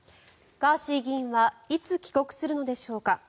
ガーシー議員はいつ帰国するのでしょうか。